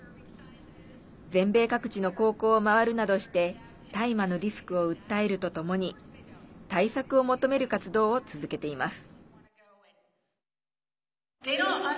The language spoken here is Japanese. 全米各地の高校を回るなどして大麻のリスクを訴えるとともに対策を求める活動を続けています。